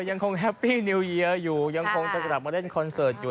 แฮปปี้นิวเยียร์อยู่ยังคงจะกลับมาเล่นคอนเสิร์ตอยู่